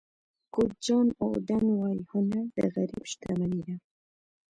کوچ جان ووډن وایي هنر د غریب شتمني ده.